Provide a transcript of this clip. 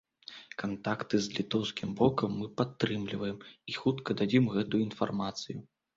Кантакты з літоўскім бокам мы падтрымліваем і хутка дадзім гэтую інфармацыю.